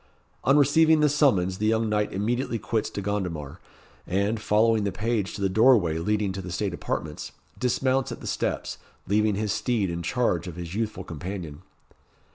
On receiving the summons the young knight immediately quits De Gondomar, and, following the page to the doorway leading to the state apartments, dismounts at the steps, leaving his steed in charge of his youthful companion.